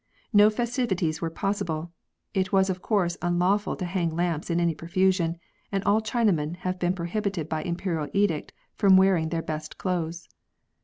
No festivities were possible ; it was of course unlawful to hang lamps in any profusion, and all Chinamen have been prohibited by Imperial edict from wearing their best clothes.